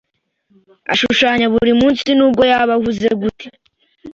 Ashushanya buri munsi nubwo yaba ahuze gute.